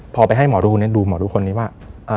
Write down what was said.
พอไปให้หมอดูเนี่ยดูหมอดูคนนี้ว่า